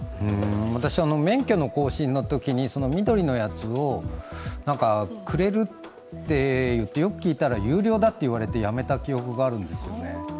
私、免許の更新のときに緑のやつをくれるって言われてよく聞いたら、有料だっていわれてやめた記憶があるんですよね。